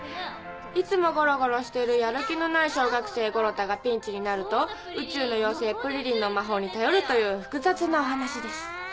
いつもゴロゴロしてるやる気のない小学生ごろ太がピンチになると宇宙の妖精プリリンの魔法に頼るという複雑なお話です。